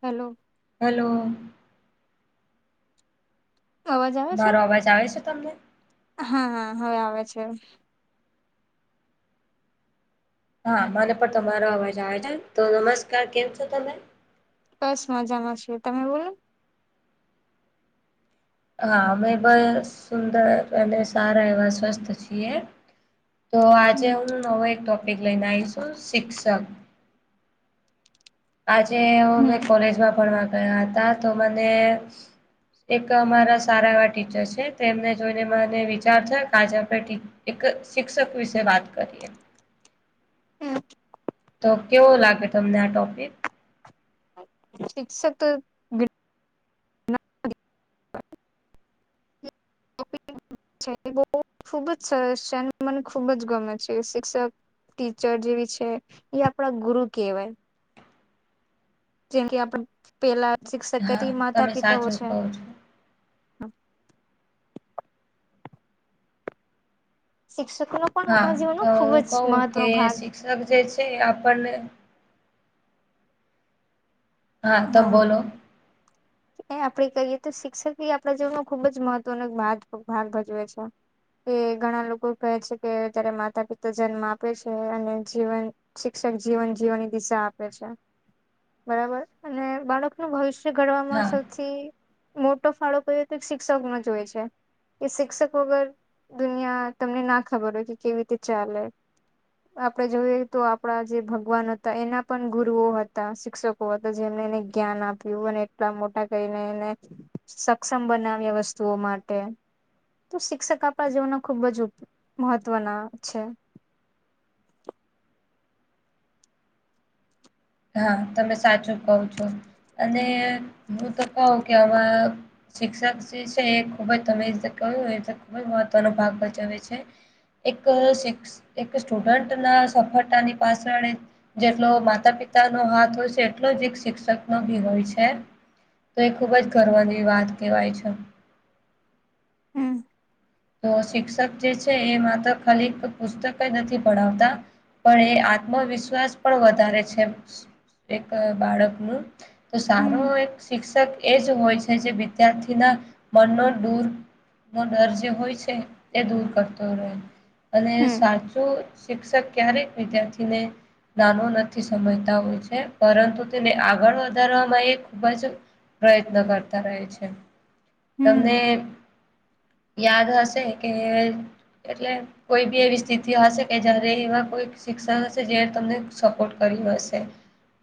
Hello hello અવાજ આવે છે મારો અવાજ આવે છે તમને હા હા હવે આવે છે હા મને પણ તમારો અવાજ આવે છે તો નમસ્કાર કેમ છો તમે બસ મજામાં છું તમે બોલો ન હા અમે પણ સુંદર અને સારા એવા સ્વસ્થ છીએ તો આજે હમ હું નવો એક ટોપિક લઈને આઈશું શિક્ષક આજે હુ હમ કોલેજમાં ભણવા ગયા હતા તો મને એક મારા સારા એવા ટીચર છે તેમને જોઈને મને વિચાર થયો કે આજ આપણે એક શિક્ષક વિશે વાત કરીએ હમ તો કેવો લાગે તમને આ ટોપિક શિક્ષક બ ખુબ જ સરસ છેને મને ખુબ જ ગમે છે એ શિક્ષક ટીચર જેવી છે એ આપણા ગુરુ કહેવાય જેમ કે આપડા પેલા હા શિક્ષકથી માતા તમે પિતાઓ સાચું છે કહો છો શિક્ષકો નો પણ હા આપણા જીવનનો તો ખુબ હું જ કહું મહત્વનો કે ભાગ શિક્ષક જે છે આપને હા તો બોલો એ આપે કહીએ તો શિક્ષક એ આપણા જીવનમાં ખૂબ જ મહત્વનો ભાગ ભજવે છે એ ઘણા લોકો કહે છે કે, જ્યારે માતા પિતા જન્મ આપે છે અને જીવન શિક્ષક જીવન જીવવાની દિશા આપે છે બરાબર અને બાળકનું ભવિષ્ય ઘડવામાં હા સૌથી મોટો ફાળો કહિએ તો એક શિક્ષક નો જો હોય છે કે શિક્ષક વગર દુનિયા તમને ના ખબર હોય કે કેવી રીતે ચાલે આપણે જોઈએ તો આપણા જે ભગવાન હતા એના પણ ગુરુઓ હતા. શિક્ષકો તો જેમને એને જ્ઞાન આપ્યું અને એટલા મોતા કઈને એને સક્ષમ બનાવ્યા વસ્તુઓ માટે તો શિક્ષક આપણા જીવનના ખુબ જ મહત્વના છે હા તમે સાચું કવ છો, અને હું તો કહું કે આમાં શિક્ષક જે છે એ ખૂબ જ, તમે રીતે કહ્યું એ રી ખૂબ જ મહત્વનો ભાગ ભજવે છે એક શૈક્ષ એક સ્ટુડન્ટ ના સફળતાની પાછળ [inaudible] જેટલો માતા પિતા નો હાથ હોય છે, એટલો જ એક શિક્ષક નો પણ હોય છે તો એ ખૂબ જ ગર્વની વાત કહેવાય છે હમ.. તો શિક્ષક જે છે એ માત્ર ખાલી પુસ્તક જ નથી પઢાવતા. પણ એ આત્મવિશ્વાસ પણ વધારે છે [inaudible] એક બાળકનું તો સારો હમ એક શિક્ષક એ જ હોય છે, જે વિદ્યાર્થીના મનનો દૂર નો ડર જે હોય છે એ દૂર કરતો રહે, અને હમ સાચું શિક્ષક ક્યારેક વિદ્યાર્થીને નાનો નથી સમજતા હોય છે પરંતુ તેને આગળ વધારવામાં એ ખૂબ જ પ્રયત્ન કરતા રહે છે. તમને હમ યાદ હશે કે, એટલે કોઈ પણ એવી સ્થિતિ હશે કે જયારે એવા કોઈ [inaudible] હશે જે તમને સપોર્ટ કરી હશે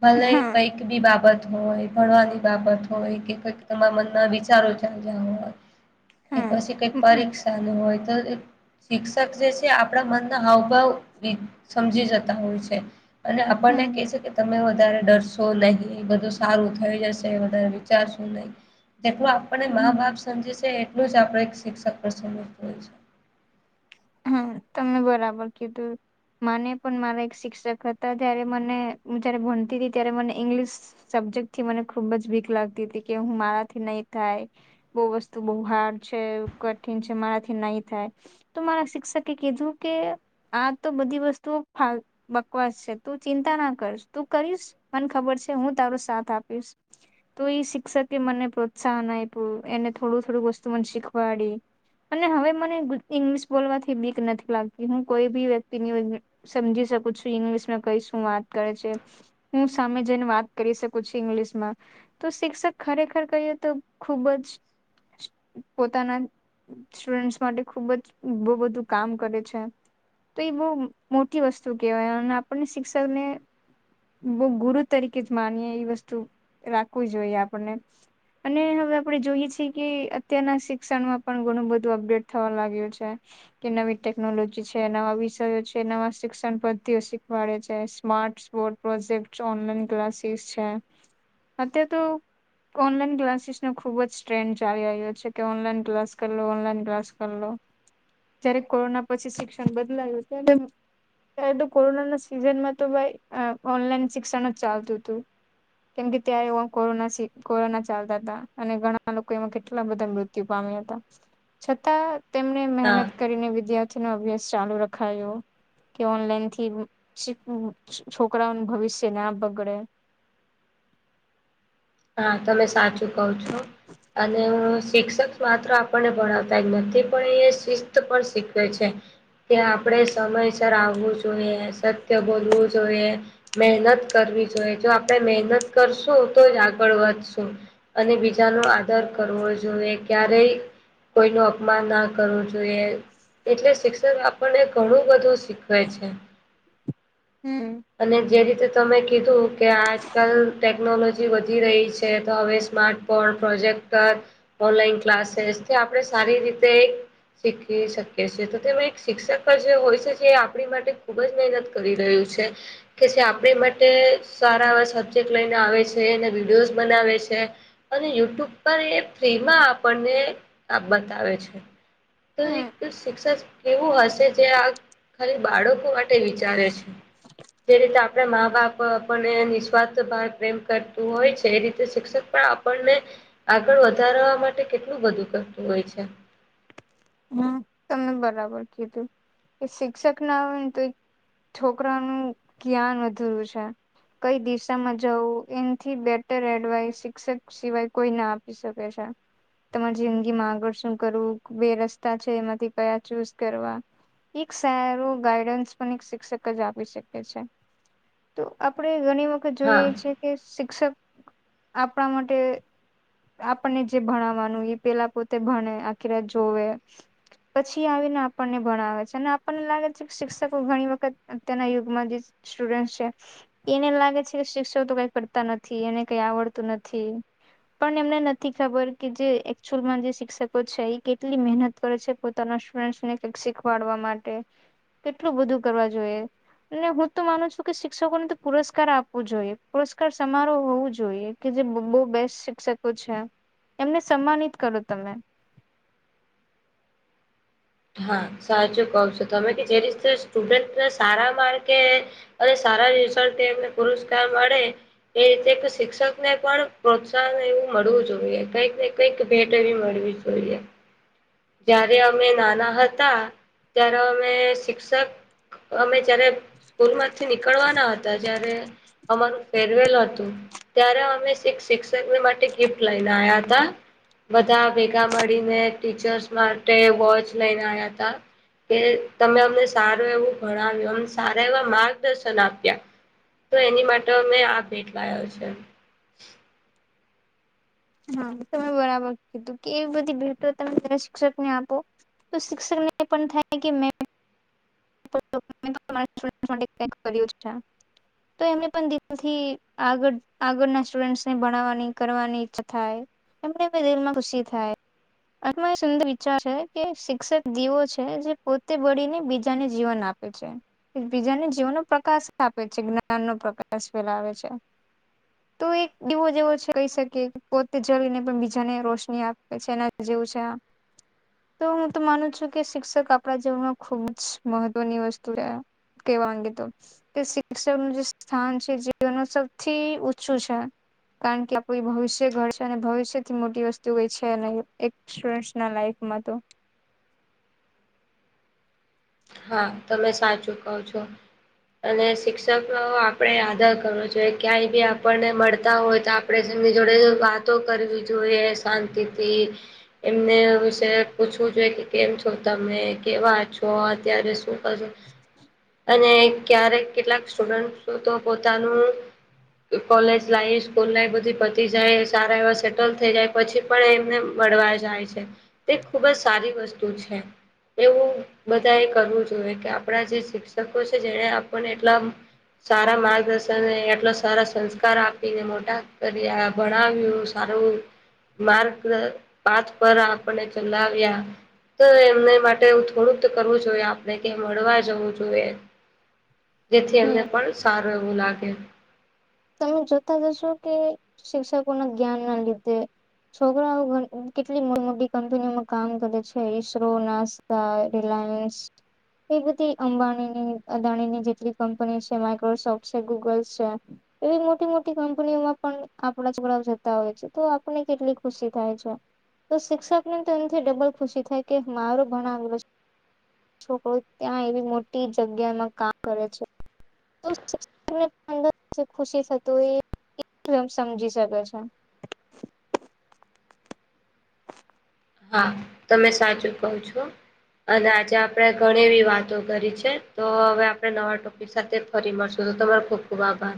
ભલે હા કઈ કઈ પણ બાબત હોય ભણવાની બાબત હોય કે કઈક તમારા મનમાં વિચારો ચાલ્યા હોય કે હા પછી કઈ પરીક્ષા નું હોય તો [inaudible] શિક્ષક જે છે આપણા મનના હાવભાવ [inaudible] સમજી જતા હોય છે અને આપણને હમ કે છે કે તમે વધારે ડરશો નહી. બધું સારું થઈ જશે. વધારે વિચારશો નહી. જેટલું આપણને મા બાપ સમજે છે એટલું જ આપણે એક શિક્ષક ને સમજતું હોય છે હમ તમને બરાબર કીધું મને પણ મારા એક શિક્ષક હતા જ્યારે મને હું જયારે ભણતી હતી ત્યારે મને ઇંગ્લિશ સબ્જેક્ટ થી મને ખુબ જ બીક લાગતી હતી કે હું મારાથી નહી થાય બહુ વસ્તુ બહુ હાર્ડ છે, કઠિન છે, મારાથી નહી થાય. તો મારા શિક્ષકે કીધું કે.. આ તો બધી વસ્તુઓ બકવાસ છે તું ચિંતા ના કરીશ તું કરીશ મને ખબર છે હું તારો સાથ આપીશ તો એ શિક્ષકે મને પ્રોત્સાહન આપ્યું એને થોડું થોડું વસ્તુ મને શીખવાડયુ- અને હવે મને ઈંગ્લિશ બોલવાથી બીક નથી લાગતી હું કોઈ બી વ્યક્તિની- સમજી શકું છું ઇંગ્લિશમાં કઈ શું વાત કરે છે. હું સામે જઈને વાત કરી શકું છું ઇંગ્લિશમાં તો શિક્ષક ખરેખર કહીએ તો ખુબ જ પોતાના સ્ટુડન્ટસ માટે ખુબ જ બહુ બધું કામ કરે છે તો એ બહુ મોટી વસ્તુ કહેવાય અને આપણને શિક્ષકને બ ગુરુ તરીકે જ માનીએ એ વસ્તુ રાખવી જોઈએ આપણને- અને હવે આપણે જોઈએ છીએ કે અત્યારના શિક્ષણમાં પણ ઘણું બધું અપડેટ થવા લાગ્યું છે. કે નવી ટેકનોલોજી છે નવા વિષયો છે. નવા શિક્ષણ પદ્ધતિઓ શીખવાડે છે સ્માર્ટ- પ્રોજેક્ટ ઓનલાઈન ક્લાસીસ છે અત તો- ઓનલાઈન ક્લાસીસ નો ખૂબ જ સ્રેન્ડ ચાલી રહ્યો છે કે ઓનલાઈન ક્લાસ કર લો ઓનલાઈન ક્લાસ કર લો- જયારે કોરોના પછી શિક્ષણ બદલાયું ત્યારે- ત્યારે તો કોરોનાના સિઝનમાં તો ભાઈ ઓનલાઈન શિક્ષણ જ ચાલતું હતું. કેમ કે ત્યારે એ કોરો કોરોના ચાલતા હતા અને ઘણા લોકો એમાં કેટલા બધા મૃત્યુ- પામ્યા હતા છતાં તેમને હા મહેનત- કરીને વિદ્યાર્થી નો અભ્યાસ ચાલુ રખાયો- કે ઓનલાઈન થી છોકરાઓનું ભવિષ્ય ના બગડે- હા તમે સાચું કવ છો અને હું શિક્ષક? માત્ર આપણને ભણાવતા નથી પણ એ શિસ્ત પણ શીખવે છે. કે આપણે સમયસર આવવું જોઈએ સત્ય બોલવું જોઈએ- મહેનત કરવી જોઈએ જો આપણે મહેનત કરશું તો જ- ળ વધશું અને બીજા ન આદર કરવો જોઈએ ક્યારેય- કોઈ ન અપમાન ના કરવું જોઈએ- એટલે શિક્ષક આપણને ઘણું બધું શીખવે છે. હમ અને જે રીતે તમે કીધું કે આજકાલ ટેકનોલોજી વધી રહી છે તો હવે સ્માર્ટ- પ્રોજેક્ટ ઓનલાન ક્લાસ આપણે સારી રીતે- શીખી શકીએ છેએ તો તેમાં એક શિક્ષક જે હોય છે જે આપણી માટે ખૂબ જ મહેનત કરી રહ્યું છે. કે જે આપણે માટે સારા એવા સબ્જેક્ટ લઈને આવે છે એને વિડીયોઝ બનાવે છે. અને યુટ્યુબ પર એ ફ્રીમાં આપણને બતાવે છે. તો એક હમ શિક્ષક કેવું હશે જે આ. ખાલી બાળકો માટે વિચારે છે. જે રીતે આપણે મા બાપ આપણને નિસ્વાર્થ ભ પ્રેમ કરતું હોય છે એ રીતે શિક્ષક પણ- આપણને આગળ વધારવા માટે કેટલું બધું કરતું હોય છે. હમ તમે બરાબર કીધું એ શિક્ષક ના હોય ને તો. છોકરા નું જ્ઞાન અધૂરું છે. કઈ દિશામાં જવું એથી બેટર એડવાઈસ શિક્ષક સિવાય કોઈ ના આપી શકે છે. તમારી જિંદગી માં આગળ શું કરવું બે રસ્તા છે એમાંથી કયા ચૂઝ કરવા- એક સારું ગાઈડન્સ પણ એક શિક્ષક જ આપ શકે છે. તો આપણેે ઘણી વખત જોઈએ હા છેએ કે શિક્ષક આપણા માટે- આપણને જે ભણાવવાનું એ પેલા પોતે ભણે આખી રાત જોવે- [inaudible] પછી આવીને આપણને ભણાવે છે અને આપણને લાગે છે કે શિક્ષકો ઘણી વખત અત્યના યુગમાં જે- સ્ટુડન્ટ છે. એને એમ લાગે છે કે શિક્ષકો તો કઈ કરતા નથી એને કઈ આવડતું નથી. પણ એમને નથી ખબર કે જે એકચુઅલમાં જે શિક્ષકો છે એ કેટલી મહેનત. કરે છે પોતાના સ્ટડને કક શીખવાડવા માટે કેટલું બધું કરવા જોઈએ. અને હું તો માનું છું કે શિક્ષકોને તો પુરસ્કાર આપવો જોઈએ પુરસ્કાર સમારોહ હોવું જોઈએ. કે જે બહુ બેસ્ટ શિક્ષકો છે એમને સન્માનિત કરો તમે- હા સાચું કવ છો તમે કે જે રીતે સ્ટુડન્ટને સારા માર્કે- અને સારા રઝ એમને પુરસ્કાર મળે એ રીતે શિક્ષક ને પણ પ્રોત્સાહન એવું મળવું જોઈએ કઈક- કક ભેટ એવી મળવી જોઈએ જ્યારે અમે નાના- હતા ત્યારે અમે શિક્ષક- અમે જયારે સ્કૂલમાંથી નીકળવાના હતા જ્યારે અમારું ફેરવેલ હતું ત્યારે અમે શિક્ષકની માટે ગિફ્ટ લઈને આવ્યા હતા બધા ભેગા મળીને ટીચર્સ માટે વોચ લઈને આવ્યા હતા કે તમે અમને સારું એવું ભણાવ્યું અમ સારા એવા માર્ગદર્શન આપ્યા તો એની માટે અમે આ ભેટ લ્યો છે હા તમે બરાબર કીધું કે એવી બધી ભેટો તમેરા શિક્ષકને આપો તો શિક્ષકને એ પણ થાય કે મે માટે તો એમને પણ દિલથી આગળ આગળના સ્ટુડન્ટસને ભણવાની કરવાની ઈચછા થાય એમને દિલ માં ખુશી થાય આમાં સુંદર વિચાર છે કે શિક્ષક દીવો છે જે પોતે બળીને બીજ બજાને જીવન આપે છે બીજાને જીવનો પ્રકાશ આપે છે જ્ઞાન નો પ્રકાશ ફેલાવે છે હ તો એક દિવો જેવો છે કહી શકીએ પોતે જળને પણ બીજાને રોશની આપે છે એના જેવું છે આ હ તો હું તો માનું છું કે શિક્ષક આપણા જીવનમાં ખુબ જ મહત્વની વસ્તુ રહ કેવાગે તો કે શિક્ષણનુંું જે સ્થાન છે જીવન સૌથી છું છે કારણ કે આપું ભવિષ્ય ઘડ છે અને ભવિષ્યથી મોટી વસ્તુ કઈ છે ન એક સ્ટુડ ના લાઈફમાં તો હા તમે સાચું કો છો અને શિક્ષકો આપડણે આદર કરવો જોઈએ ક્યાંય બી આપણને મળતા હોય તો આપસંગ જોડે વાતો કરવી જોઈએ શાંતિથી એમને વિશે પૂછવું જોઈએ કે કેમ છો તમે કેવા છો ત્યારે શું કર અને ક્યારેક કેટલાક સ્ટુડન્ટ તો પોતાનું કોલેજ લાઈફ સ્કૂલ લાઈફ બધી પતી જાય સારા એવા સેટલ થઈ જાય પછી પણ એમને મળળવા જાય છે તે ખુબ જ સારી વસ્તુ છે એવું બ એ કરવું જોઈએ કે આપણા જે શિક્ષકો છે જેને આપણને એટલા સારા માર્ગદર્શન એટલો સારા સંસ્કાર આપીને મોટા કર ભણાવ્યું સારું માર્ક પાચ પર આપને ચલાવ્યા તો એમને માટેું થોડુંક કરવું જોઈએ આપણે કે મળવા જવું જોઈએ જેથી એમને હમ પણ સારવું લાગ તમે જોતા જશો કે શિક્ષકો ના જ્ઞાન ના લીધે છોકરાઓ કેટલી મોટી મોટી કંપનીઓમાં કામ કરે છે ઈસરો ના ત રિલાયન્સ એ બધી અંબાણી ની અદાણી ની જેટલી કંપની છે માઇક્રોસોફ્ટ છે ગૂગલ છે એવી મોટી મોટી કંપનીઓમાં પણ આપણા છકડાઓ જતા હોય છે તો આપને કેટલી ખુશી થાય છે તો શિક્ષક ને તો એથી ડબલ ખુશી થાય કે મારો ઘણાલો છે છોકરો ત્યાં એવી મોટી જગ્યામાં કામ કરે છે ર ખુશી થત હોમ સમજી શકે છે હા તમે સાચું કો છો. અને આજે આપણેે ઘણી એવી વાતો કરી છે તો હવે આપડણે નવા ટોપ સાથે ફરી મળશો તો તમારો ખુબ ખુબ આભાર